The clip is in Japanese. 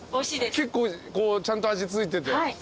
結構ちゃんと味付いてて。